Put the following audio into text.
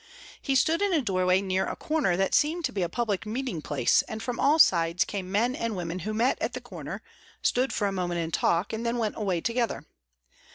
He stood in a doorway near a corner that seemed to be a public meeting place and from all sides came men and women who met at the corner, stood for a moment in talk, and then went away together.